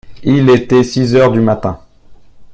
Il était six heures du matin.